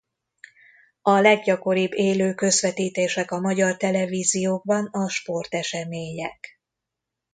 A leggyakoribb élő közvetítések a magyar televíziókban a sportesemények.